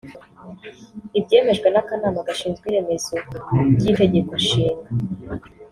Ibyemejwe n’Akanama gashinzwe iremezo ry’Itegeko nshinga